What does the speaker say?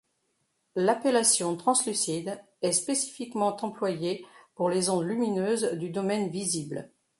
L'appellation translucide est spécifiquement employée pour les ondes lumineuses du domaine visible.